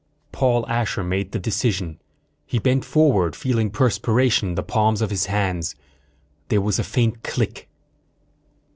_Paul Asher made the decision. He bent forward, feeling perspiration in the palms of his hands. There was a faint click.